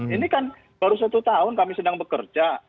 ini kan baru satu tahun kami sedang bekerja